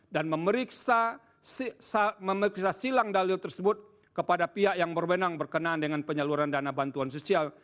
dan memeriksa silang dalil tersebut kepada pihak yang berwenang berkenaan dengan penyaluran dana bantuan sosial